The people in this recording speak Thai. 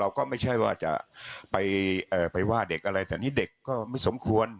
ก็ไม่ใช่ว่าจะไปว่าเด็กอะไรแต่นี่เด็กก็ไม่สมควร